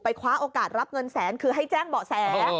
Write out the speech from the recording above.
คว้าโอกาสรับเงินแสนคือให้แจ้งเบาะแส